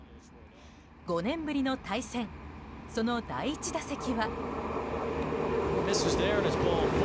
５年ぶりの対戦その第１打席は。